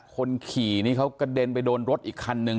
คนขี่นี่เขากระเด็นไปโดนรถอีกคันนึง